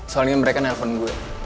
soalnya mereka nelfon gue